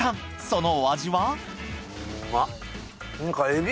そのお味は？